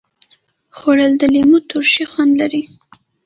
خوړل د لیمو ترشي خوند لري